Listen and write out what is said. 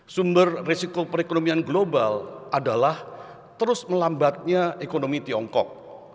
sumber risiko perekonomian global adalah terus melambatnya ekonomi tiongkok